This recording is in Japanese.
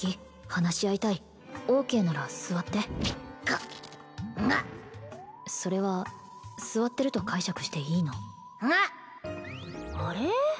話し合いたいＯＫなら座ってがっんがっそれは座ってると解釈していいのんがっあれ？